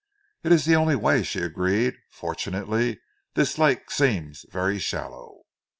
"It is the only way," she agreed. "Fortunately this lake seems very shallow."